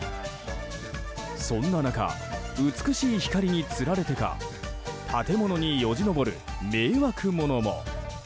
そんな中、美しい光につられてか建物によじ登る迷惑者も。